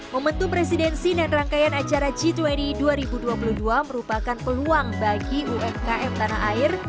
momentum presidensi dan rangkaian acara g dua puluh dua ribu dua puluh dua merupakan peluang bagi umkm tanah air